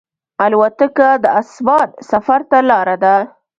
الوتکه د اسمان سفر ته لاره ده.